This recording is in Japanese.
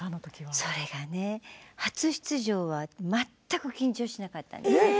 それがね、初出場は全く緊張しなかったんです。